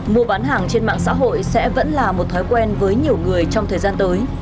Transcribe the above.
mua bán hàng trên mạng xã hội sẽ vẫn là một thói quen với nhiều người trong thời gian tới